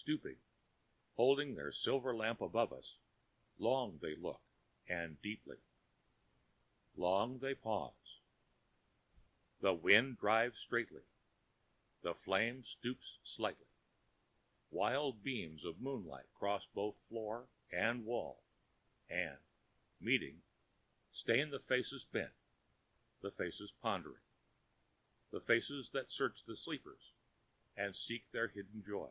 Stooping, holding their silver lamp above us, long they look and deeply. Long they pause. The wind drives straightly; the flame stoops slightly. Wild beams of moonlight cross both floor and wall, and, meeting, stain the faces bent; the faces pondering; the faces that search the sleepers and seek their hidden joy.